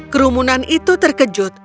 kerumunan itu terkejut